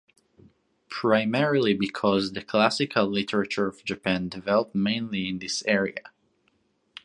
Primarily because the classical literature of Japan developed mainly in this area.